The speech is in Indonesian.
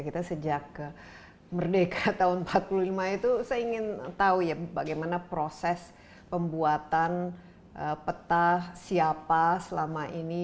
kita sejak merdeka tahun seribu sembilan ratus empat puluh lima itu saya ingin tahu ya bagaimana proses pembuatan peta siapa selama ini